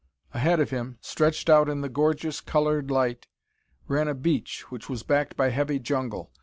Ahead of him, stretched out in the gorgeous, colored light, ran a beach which was backed by heavy jungle.